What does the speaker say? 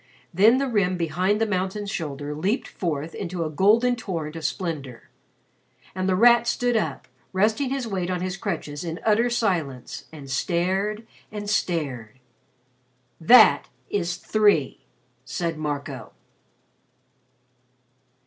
Then the rim behind the mountain's shoulder leaped forth into a golden torrent of splendor. And The Rat stood up, resting his weight on his crutches in utter silence, and stared and stared. "That is three!" said Marco.